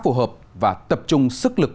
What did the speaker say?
phù hợp và tập trung sức lực